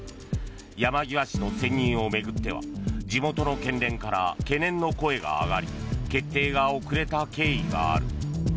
山際氏の選任を巡っては地元の県連から懸念の声が上がり決定が遅れた経緯がある。